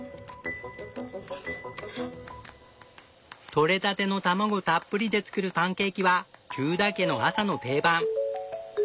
とれたての卵たっぷりで作るパンケーキはテューダー家の朝の定番。